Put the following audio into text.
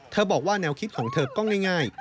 บอกว่าแนวคิดของเธอก็ง่าย